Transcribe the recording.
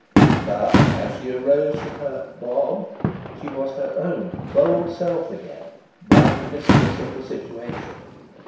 But, as she arose from her "bob," she was her own bold self again, bright mistress of the situation.